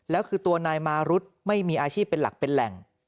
แล้วคือตัวนายมารุธไม่มีอาชีพเป็นหลักเป็นแหล่ง